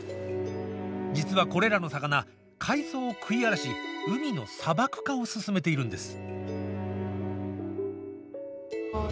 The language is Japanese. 実は、これらの魚海藻を食い荒らし海の砂漠化を進めているんです。